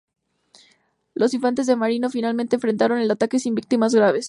Los infantes de marina finalmente enfrentaron el ataque sin víctimas graves.